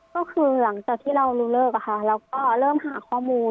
ก็คือหลังจากที่เรารู้เลิกอะค่ะเราก็เริ่มหาข้อมูล